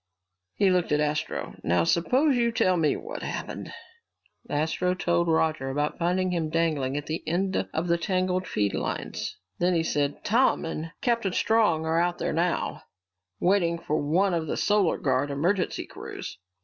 He looked at Astro. "Now suppose you tell me what happened!" Astro told Roger about finding him dangling at the end of the tangled feed lines. Then he said, "Tom and Captain Strong are out there now, waiting for one of the Solar Guard emergency crews."